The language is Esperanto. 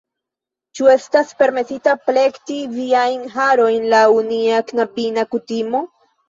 Ĉu estas permesite plekti viajn harojn laŭ nia knabina kutimo?